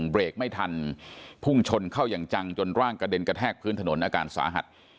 เบรกไม่ทันพุ่งชนเข้าอย่างจังจนร่างกระเด็นกระแทกพื้นถนนอาการสาหัส